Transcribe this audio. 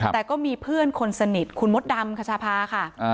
แต่ก็มีเพื่อนคนสนิทคุณมดดำคชาภาค่ะ